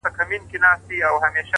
د گران صفت كومه;